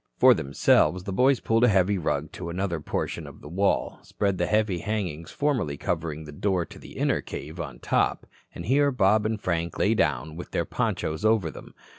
For themselves, the boys pulled a heavy rug to another portion of the wall, spread the heavy hangings formerly covering the door to the inner cave on top, and here Bob and Frank lay down with their ponchos over them.